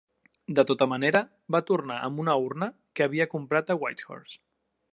De tota manera, va tornar amb una urna que havia comprat a Whitehorse.